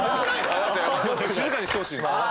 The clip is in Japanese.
静かにしてほしい。